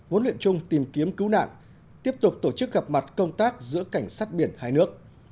huấn luyện chung tìm kiếm cứu nạn tiếp tục tổ chức gặp mặt công tác giữa cảnh sát biển hai nước